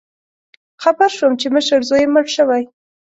خبر شوم چې مشر زوی یې مړ شوی